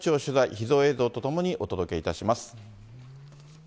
秘蔵映像とともにお届けいたします。